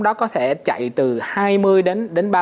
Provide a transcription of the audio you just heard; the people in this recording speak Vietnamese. đó có thể chạy từ hai mươi đến